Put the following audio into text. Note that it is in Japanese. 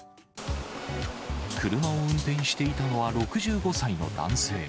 車を運転していたのは６５歳の男性。